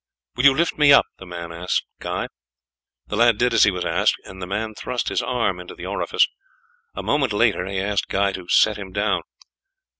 "Will you lift me up?" the man said to Guy. The lad did as he was asked, and the man thrust his arm into the orifice. A moment later he asked Guy to set him down.